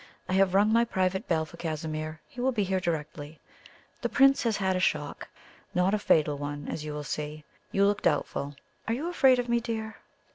I have rung my private bell for Casimir; he will be here directly. The Prince has had a shock not a fatal one, as you will see. You look doubtful are you afraid of me, dear?"